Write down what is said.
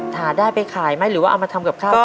หาได้ไปขายไหมหรือว่าเอามาทำกับข้าว